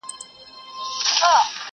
مور د ټولني فشار زغمي ډېر,